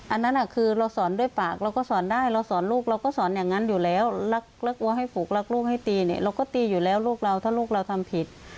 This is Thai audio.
อันนั้นคือเราสอนด้วยปากเราก็สอนได้เราสอนลูกเราก็สอนอย่างนั้นอยู่แล้วแล้วกลัวให้ผูกรักลูกให้ตีเนี่ยเราก็ตีอยู่แล้วลูกเราถ้าลูกเราทำผิด